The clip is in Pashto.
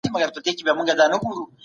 د ټولنيزو ځواکونو ګټي مه ناديده نيسئ.